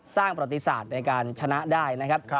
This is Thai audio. ประติศาสตร์ในการชนะได้นะครับ